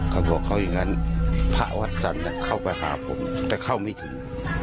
เขาบอกเขาอย่างนั้นพระวัดจันทร์เข้าไปหาผมแต่เข้าไม่ถึง